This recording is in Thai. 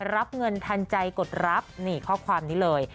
รับเงินทันใจกดรับนี่ข้อความนี้เลย